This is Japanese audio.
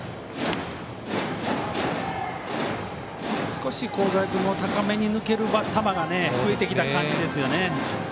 少し、香西君も高めに抜ける球が増えてきた感じですね。